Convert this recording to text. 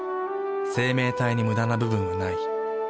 生命体にムダな部分はない。